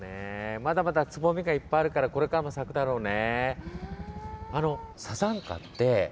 まだまだつぼみがいっぱいあるからこれからも咲くだろうね。